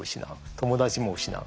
友達も失う。